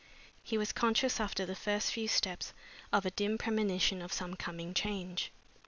He was conscious, after the first few steps, of a dim premonition of some coming change.